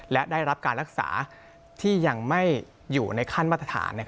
และได้รับการรักษาที่ยังไม่อยู่ในขั้นมาตรฐาน